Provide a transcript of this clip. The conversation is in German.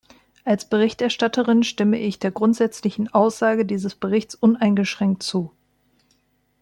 Als Berichterstatterin stimme ich der grundsätzlichen Aussage dieses Berichts uneingeschränkt zu.